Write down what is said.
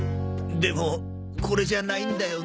でもこれじゃないんだよな。